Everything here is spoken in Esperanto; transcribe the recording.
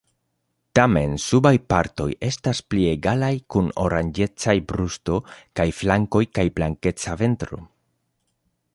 Tamen subaj partoj estas pli egalaj kun oranĝecaj brusto kaj flankoj kaj blankeca ventro.